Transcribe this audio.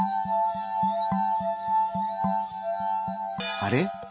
あれ？